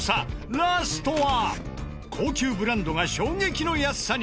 ラストは高級ブランドが衝撃の安さに！